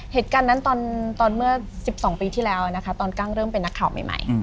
เหตุการณ์นั้นตอนเมื่อ๑๒ปีที่แล้วนะคะตอนกั้งเริ่มเป็นนักข่าวใหม่